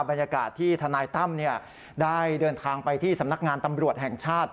บรรยากาศที่ทนายตั้มได้เดินทางไปที่สำนักงานตำรวจแห่งชาติ